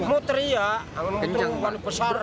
muter iya angin puting beliung besar